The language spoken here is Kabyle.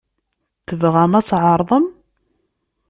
Tebɣam ad tɛerḍem?